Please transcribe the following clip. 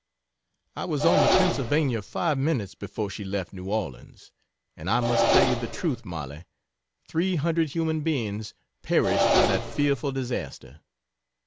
I was on the Pennsylvania five minutes before she left N. Orleans, and I must tell you the truth, Mollie three hundred human beings perished by that fearful disaster.